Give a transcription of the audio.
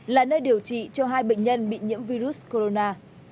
là nơi điều trị cho hai bệnh nhân bị nhiễm virus corona